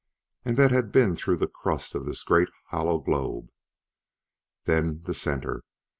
And that had been through the crust of this great, hollow globe. Then the center!